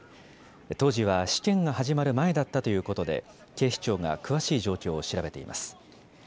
当時は試験が始まる前だったということで警視庁が詳しい状況を調べています。